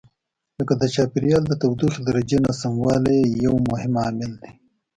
لکه د چاپېریال د تودوخې درجې ناسموالی یو مهم عامل دی.